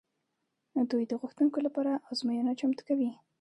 دوی د غوښتونکو لپاره ازموینه چمتو کوي.